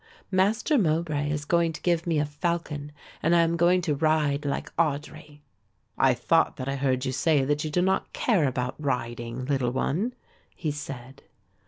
Master Mowbray is going to give me a falcon and I am going to ride like Audry." "I thought that I heard you say that you did not care about riding, little one," he said.